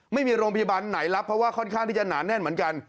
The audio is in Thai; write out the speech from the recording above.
ไม่มีโรงพยาบาลไหนรับเพราะว่าค่อนข้างที่จะหนาแน่นเหมือนกัน